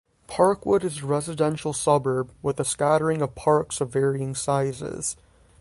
Parkwood is a residential suburb with a scattering of parks of varying sizes.